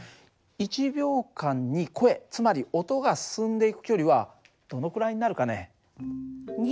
１秒間に声つまり音が進んでいく距離はどのくらいになるかね？